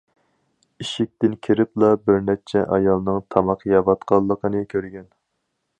ئىشىكتىن كىرىپلا بىر نەچچە ئايالنىڭ تاماق يەۋاتقانلىقىنى كۆرگەن.